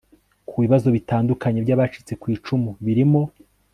ku bibazo bitandukanye by abacitse ku icumu birimo